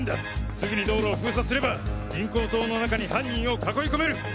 すぐに道路を封鎖すれば人工島の中に犯人を囲い込める！